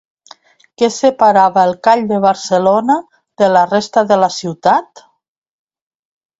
Què separava el Call de Barcelona de la resta de la ciutat?